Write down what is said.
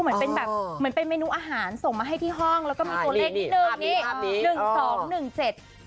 เหมือนเป็นแบบเหมือนเป็นเมนูอาหารส่งมาให้ที่ห้องแล้วก็มีตัวเลข๑นี่๑๒๑๗